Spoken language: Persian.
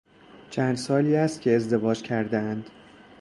چند سالی است که ازدواج کردهاند.